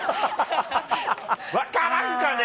分からんかね？